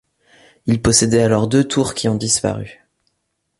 Il possédait alors deux tours qui ont disparu.